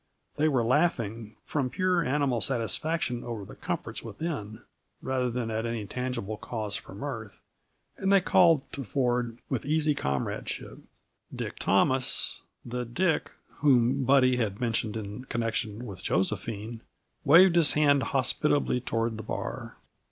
They were laughing, from pure animal satisfaction over the comforts within, rather than at any tangible cause for mirth, and they called to Ford with easy comradeship. Dick Thomas the Dick whom Buddy had mentioned in connection with Josephine waved his hand hospitably toward the bar.